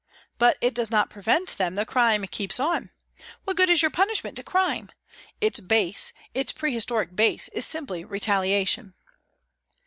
But it does not prevent them the crime keeps on. What good is your punishment to crime ? Its base, its prehistoric base, is simply retaliation."